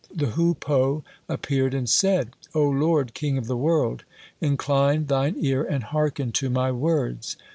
The hoopoe appeared and said: "O lord, king of the world, incline thine ear and hearken to my words.